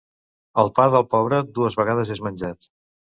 El pa del pobre dues vegades és menjat.